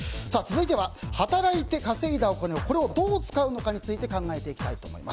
続いては働いて稼いだお金をどう使うのかについて考えていきたいと思います。